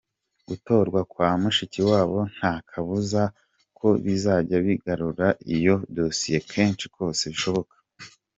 Gutorwa kwa Mushikiwabo nta kabuza ko bizajya bigarura iyo dossier kenshi kose bishoboka.